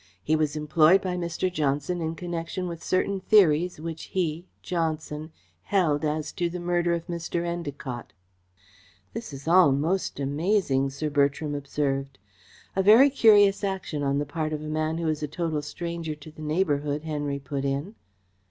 He was employed by Mr. Johnson in connection with certain theories which he Johnson held as to the murder of Mr. Endacott." "This is all most amazing," Sir Bertram observed. "A very curious action on the part of a man who is a total stranger to the neighbourhood," Henry put in.